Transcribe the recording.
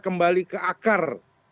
kembali ke akar